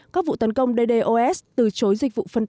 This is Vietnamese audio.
các vụ tấn công ddos từ chối dịch vụ phản áp